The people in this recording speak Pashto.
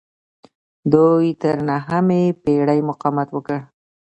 دوی تر نهمې پیړۍ مقاومت وکړ